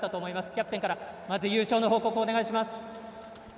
キャプテンから優勝の報告をお願いします。